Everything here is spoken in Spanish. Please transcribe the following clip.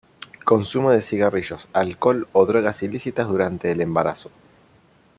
Consumo de cigarrillos, alcohol o drogas ilícitas durante el embarazo.